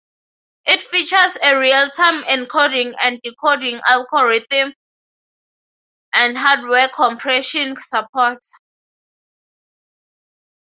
It features a real-time encoding and decoding algorithm and hardware compression support.